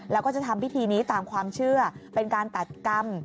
แล้วก็จะทำพิธีนี้ตามความเชื่อเป็นการตัดกรรม